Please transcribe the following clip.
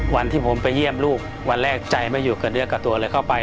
วันที่ผมไปเยี่ยมลูกวันแรกใจไม่อยู่กับเนื้อกับตัวเลยเข้าไป